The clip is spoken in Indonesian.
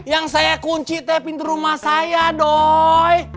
yang saya kunci teh pintu rumah saya doy